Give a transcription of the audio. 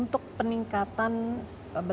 untuk peningkatan belanja dan juga peningkatan pendapatan